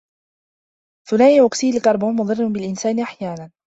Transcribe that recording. ثنائي أوكسيد الكربون مضر بالإنسان أحيانا.